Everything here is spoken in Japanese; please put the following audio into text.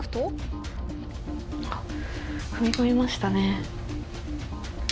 あっ踏み込みましたね。